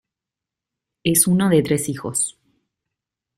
Es uno de tres hijos.